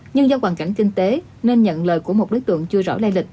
nhưng do hoàn cảnh kinh tế nên nhận lời của một đối tượng chưa rõ lây lịch